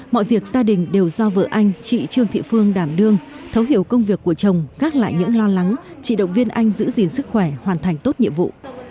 mọi việc gia đình đều do vợ anh chị trương thị phương đảm đương thấu hiểu công việc của chồng gác lại những lo lắng chị động viên anh giữ gìn sức khỏe hoàn thành tốt nhiệm vụ